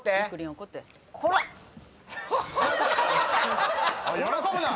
おい喜ぶな！